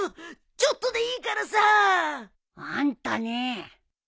ちょっとでいいからさ！あんたね。